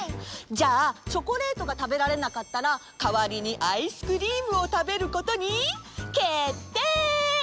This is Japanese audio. じゃあチョコレートがたべられなかったらかわりにアイスクリームをたべることにけってい！